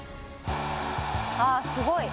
ああすごい！